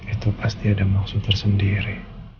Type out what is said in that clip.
itu pasti ada maksud tersendiri